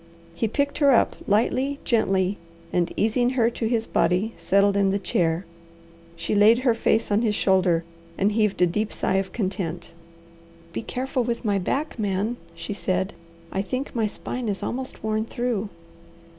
He picked her up lightly, gently, and easing her to his body settled in the chair. She laid her face on his shoulder, and heaved a deep sigh of content. "Be careful with my back, Man," she said. "I think my spine is almost worn through."